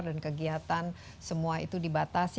dan kegiatan semua itu dibatasi